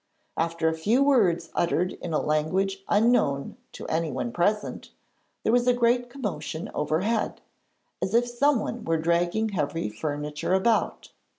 After a few words uttered in a language unknown to anyone present, there was a great commotion overhead, as if someone were dragging heavy furniture about.